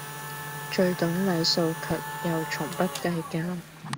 最懂禮數卻又從不計較